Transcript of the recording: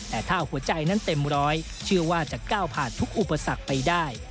แต่ถ้าหัวใจนั้นเต็มร้อยเชื่อว่าจะก้าวผ่านทุกอุปสรรคไปได้